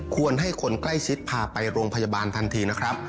ควรให้คนใกล้ชิดพาไปโรงพยาบาลทันทีนะครับ